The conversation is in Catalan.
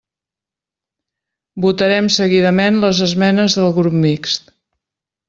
Votarem seguidament les esmenes del Grup Mixt.